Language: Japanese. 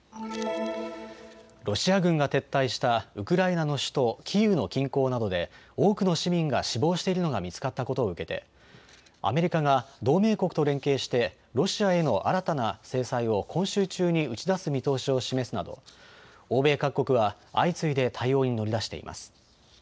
ロシア軍が撤退したウクライナの首都キーウの近郊などで多くの市民が死亡しているのが見つかったことを受けてアメリカが同盟国と連携してロシアへの新たな制裁を今週中に打ち出す見通しを示すなど欧米各国は相次いで対応に乗り出しています。